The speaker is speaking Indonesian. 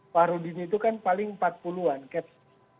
pak rudin itu kan paling empat puluh an caps